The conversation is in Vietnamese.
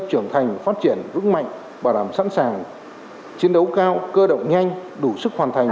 trưởng thành phát triển vững mạnh bảo đảm sẵn sàng chiến đấu cao cơ động nhanh đủ sức hoàn thành